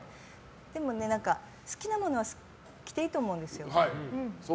でも好きなものは着ていいと思うんですよ。